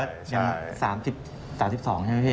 รู้สึกว่ายัง๓๒ใช่ไหมพี่